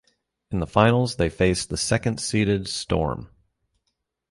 In the finals they faced the second seeded Storm.